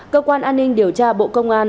cơ quan an ninh điều tra bộ công an